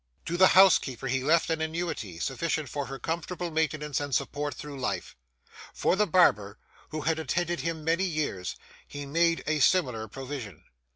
To the housekeeper he left an annuity, sufficient for her comfortable maintenance and support through life. For the barber, who had attended him many years, he made a similar provision.